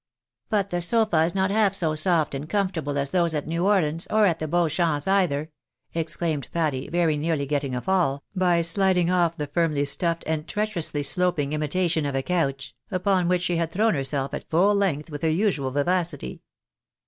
" But the sofa is not half so soft and comfortable as those at New Orleans, or at the Beauchamps' either," exclaimed Patty, very nearly getting a fall, by sliding off the firmly stuffed, and treacher ously sloping imitation of a couch, upon which she had thrown her self at full length with her usual vivacity.